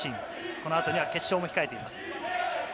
このあとには決勝も控えています。